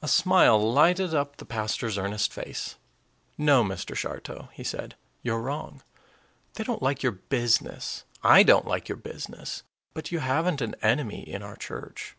A smile lighted up the pastor's earnest face. "No, Mr. Shartow," he said, "you're wrong. They don't like your business, I don't like your business, but you haven't an enemy in our church.